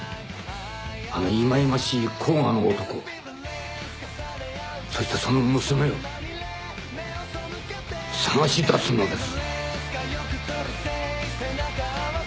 あのいまいましい甲賀の男をそしてその娘を捜し出すのです！